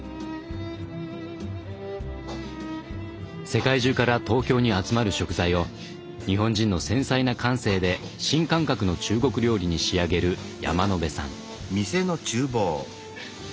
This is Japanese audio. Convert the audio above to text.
世界中から東京に集まる食材を日本人の繊細な感性で新感覚の中国料理に仕上げる山野辺さん。